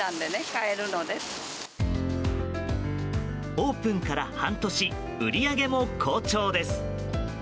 オープンから半年売り上げも好調です。